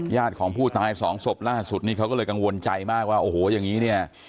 ของผู้ตายสองศพล่าสุดนี้เขาก็เลยกังวลใจมากว่าโอ้โหอย่างนี้เนี่ย